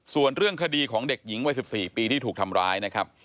ส่วนเรื่องคดีของเด็กหญิงวัย๑๔ปีที่ถูกทำร้ายนะครับ